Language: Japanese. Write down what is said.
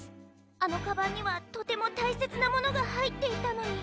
あのカバンにはとてもたいせつなものがはいっていたのに。